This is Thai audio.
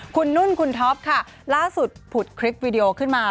คุณนุ่นคุณท็อปค่ะล่าสุดผุดคลิปวิดีโอขึ้นมา